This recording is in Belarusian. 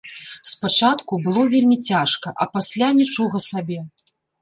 Спачатку было вельмі цяжка, а пасля нічога сабе.